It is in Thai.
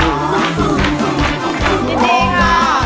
คุณร้องได้นะครับ